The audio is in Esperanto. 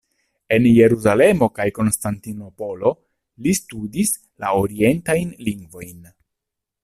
En Jerusalemo kaj Konstantinopolo li studis la orientajn lingvojn.